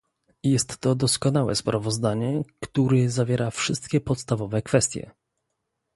Jest to doskonałe sprawozdanie, który zawiera wszystkie podstawowe kwestie